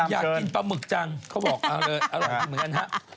อยากกินปลาหมึกจังเขาบอกเอาเลยเอาล่ะทำเหมือนกันฮะ